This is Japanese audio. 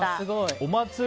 お祭り